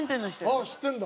あっ知ってるんだ。